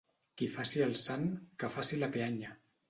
Qui faci el sant, que faci la peanya.